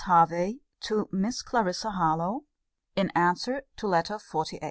HERVEY, TO MISS CLARISSA HARLOWE [IN ANSWER TO LETTER XVIII.